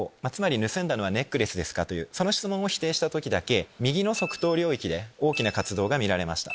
盗んだのはネックレスですか？という質問を否定した時だけ右の側頭領域で大きな活動が見られました。